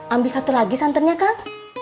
ambil satu lagi santannya kan